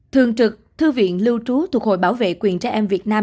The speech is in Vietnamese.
thường trực thư viện lưu trú thuộc hội bảo vệ quyền trẻ em việt nam